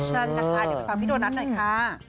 เดี๋ยวไปฟังพี่โดนัทหน่อยค่ะ